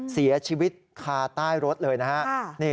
เสียชีวิตคาใต้รถเลยนะฮะ